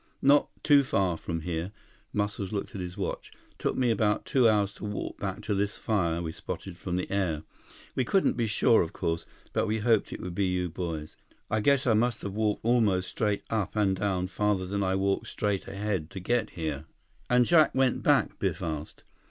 "Not too far from here," Muscles looked at his watch. "Took me about two hours to walk back to this fire we spotted from the air. We couldn't be sure, of course, but we hoped it would be you boys. I guess I must have walked almost straight up and down farther than I walked straight ahead to get here." "And Jack went back?" Biff asked.